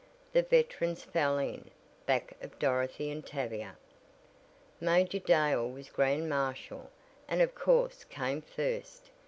The veterans fell in back of Dorothy and Tavia! Major Dale was grand marshal, and of course came first.